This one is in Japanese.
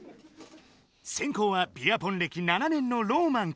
先行はビアポン歴７年のローマンくん。